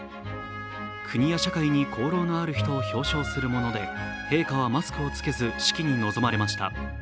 国や社会に功労のある人を表彰するもので陛下はマスクを着けず式に臨まれました。